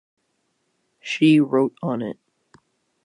She wrote on it.